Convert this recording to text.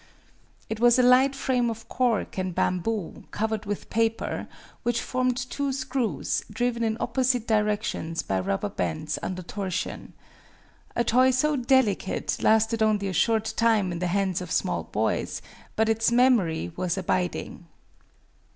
It was a light frame of cork and bamboo, covered with paper, which formed two screws, driven in opposite directions by rubber bands under torsion. A toy so delicate lasted only a short time in the hands of small boys, but its memory was abiding.